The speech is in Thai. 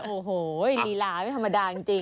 โอ้โหลีลาไม่ธรรมดาจริง